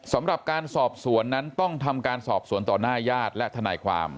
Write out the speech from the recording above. สำหรับการสอบสวนนั้นต้องทำการสอบสวนต่อหน้าญาติและทนายความ